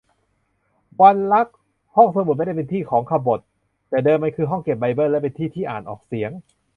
วันรัก : ห้องสมุดไม่ได้เป็นที่ของขบถ แต่เดิมมันคือห้องเก็บไบเบิ้ล และเป็นที่ที่อ่านออกเสียง